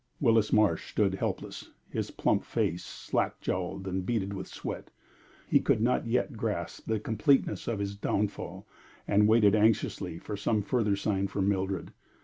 Willis Marsh stood helpless, his plump face slack jowled and beaded with sweat. He could not yet grasp the completeness of his downfall, and waited anxiously for some further sign from Mildred.